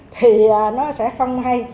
thì nó sẽ không hay